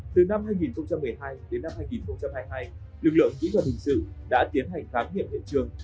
từ năm hai nghìn một mươi hai đến năm hai nghìn hai mươi hai lực lượng kỹ thuật hình sự đã tiến hành khám nghiệm hiện trường